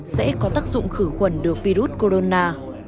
sẽ có tác dụng khử khuẩn được virus corona